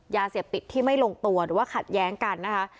ยาเสพติดที่ไม่ลงตัวหรือว่าขัดแย้งกันนะคะ